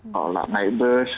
kalau tidak naik bus